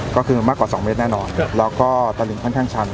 ก็คือมากกว่า๒เมตรแน่นอนแล้วก็ตะหลิงค่อนข้างชัน